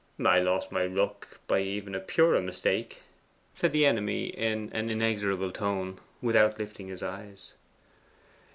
'I lost my rook by even a purer mistake,' said the enemy in an inexorable tone, without lifting his eyes.